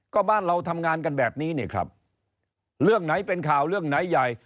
ก็บ้านเราทำงานกันแบบนี้เนี่ยครับเรื่องไหนเป็นข่าวเรื่องไหนใหญ่